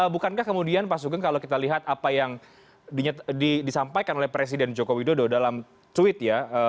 bukankah kemudian pak sugeng kalau kita lihat apa yang disampaikan oleh presiden joko widodo dalam tweet ya